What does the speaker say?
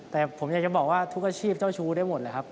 แต่ผมอยากจะบอกว่าทุกอาชีพเจ้าชู้ได้หมดเลยครับ